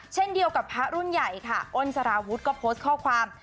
เช่นเดียวกับพระรุ่นใหญ่ค่ะอ้นสารวุฒิก็โพสต์ข้อความ